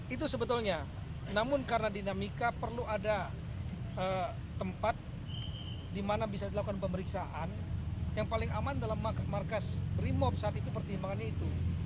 itu sebetulnya namun karena dinamika perlu ada tempat di mana bisa dilakukan pemeriksaan yang paling aman dalam markas primop saat itu pertimbangannya itu